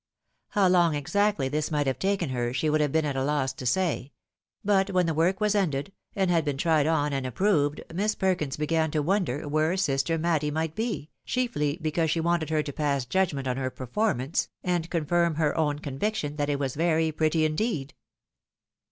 How long exactly this might have taken her she would have been at a loss to say ; but when the work was ended, and had been tried on and approved. Miss Perkins began to wonder where sister Matty might be, chiefly because she wanted her to pass judgment on her performance, and confirm her own conviction that it was very pretty indeed.